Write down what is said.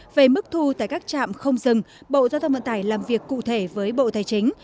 về mức thu tại các trạm không dừng bộ giao thông vận tải làm việc cụ thể với bộ tài chính